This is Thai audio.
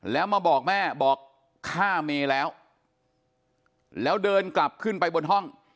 แล้วมาบอกแม่บอกฆ่าเมย์แล้วแล้วเดินกลับขึ้นไปบนห้อง